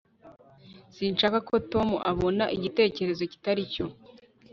sinshaka ko tom abona igitekerezo kitari cyo